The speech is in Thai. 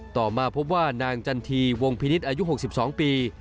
ต่อมาพบว่านางจันทีวงพินิษฐ์อายุ๖๒ปี